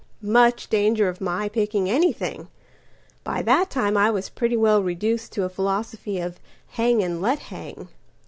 Much danger of my picking anything! By that time I was pretty well reducedTo a philosophy of hang and let hang.